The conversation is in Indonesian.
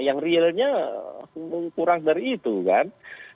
yang realnya kurang dari itu kan